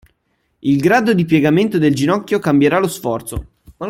Il grado di piegamento del ginocchio cambierà lo sforzo.